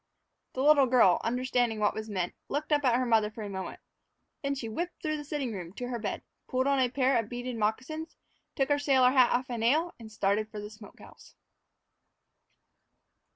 The little girl, understanding what was meant, looked up at her mother for a moment. Then she whipped through the sitting room to her bed, pulled on a pair of beaded moccasins, took her sailor hat off a nail, and started for the smoke house.